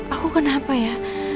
aku kenapa ya